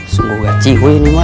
sungguh gak cikgu ini mah